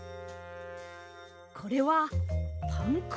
これはパンくず！